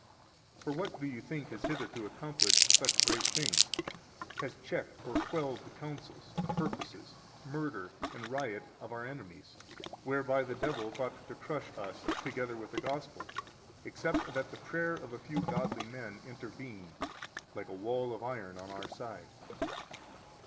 For what do you think has hitherto accomplished such great things, has checked or quelled the counsels, purposes, murder, and riot of our enemies, whereby the devil thought to crush us, together with the Gospel, except that the prayer of a few godly men intervened like a wall of iron on our side?